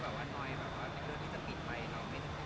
ก็อ่านบ้างบางรูปก็ไม่ได้อ่านค่ะ